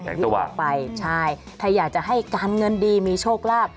สว่างไปใช่ถ้าอยากจะให้การเงินดีมีโชคลาภ